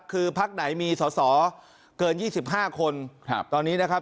คือพักไหนมีสอสอเกิน๒๕คนตอนนี้นะครับ